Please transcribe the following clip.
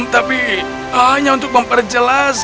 tapi hanya untuk memperjelas